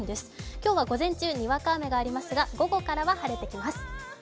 今日は午前中、にわか雨がありますが午後からは晴れてきます。